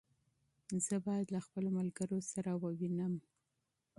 زه بايد له خپلو ملګرو سره ليدنه وکړم.